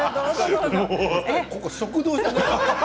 ここ食堂じゃないから。